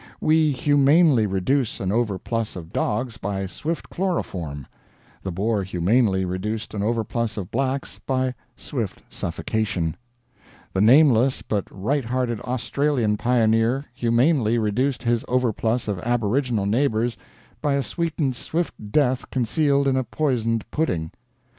We humanely reduce an overplus of dogs by swift chloroform; the Boer humanely reduced an overplus of blacks by swift suffocation; the nameless but right hearted Australian pioneer humanely reduced his overplus of aboriginal neighbors by a sweetened swift death concealed in a poisoned pudding.